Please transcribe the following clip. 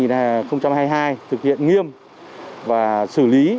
thực hiện nghiêm và xử lý